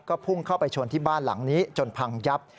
ก็พุ่งเข้าไปชนที่บ้านหลังนี้จนพังยับ